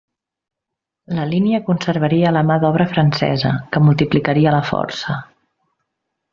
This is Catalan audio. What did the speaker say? La línia conservaria la mà d'obra francesa, que multiplicaria la força.